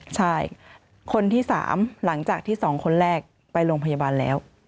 ใช่คนที่๓หลังจากที่๒คนแรกไปโรงพยาบาลแล้ว